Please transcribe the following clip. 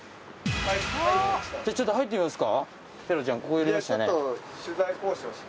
じゃちょっと入ってみますか？